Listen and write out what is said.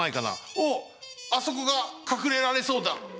おっあそこがかくれられそうだ。